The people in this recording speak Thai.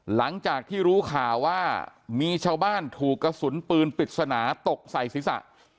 หลังจากที่รู้ข่าวว่ามีชาวบ้านถูกกระสุนปืนปริศนาตกใส่ศีรษะ